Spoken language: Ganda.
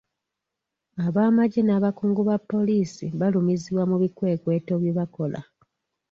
Abamagye n'abakungu ba poliisi balumizibwa mu bikwekweto bye bakola.